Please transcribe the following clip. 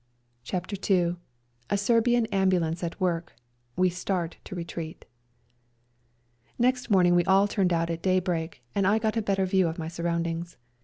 CHAPTER II A SERBIAN AMBULANCE AT WORK — WE START TO RETREAT Next morning we all turned out at day break, and I got a better view of my surroundings.